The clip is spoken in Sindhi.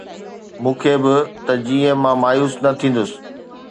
مون کي به، ته جيئن مان مايوس نه ٿيندس